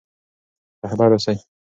رهبر اوسئ.